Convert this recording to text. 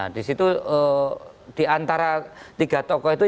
nah di situ di antara tiga tokoh itu yang pertama